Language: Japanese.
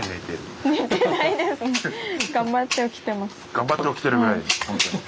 頑張って起きてるぐらい本当に。